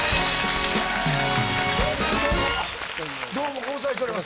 どうもご無沙汰しております。